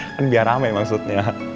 kan biar rame maksudnya